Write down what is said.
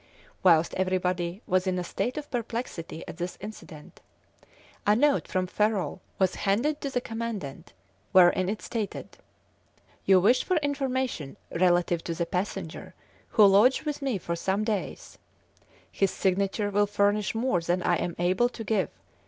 Whilst everybody was in a state of perplexity at this incident, a note from Ferrol was handed to the commandant, wherein it stated: "You wish for information relative to the passenger who lodged with me for some days; his signature will furnish more than I am able to give.